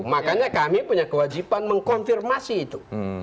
makanya kami punya kewajiban mengkonfirmasi itu